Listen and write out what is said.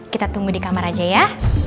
kita tunggu di kamar aja ya